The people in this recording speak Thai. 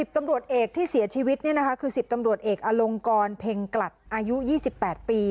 ตำรวจเอกที่เสียชีวิตคือ๑๐ตำรวจเอกอลงกรเพ็งกลัดอายุ๒๘ปี